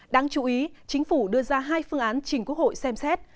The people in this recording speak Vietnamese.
đáng chú ý chính phủ đưa ra hai phương án chỉnh quốc hội xem xét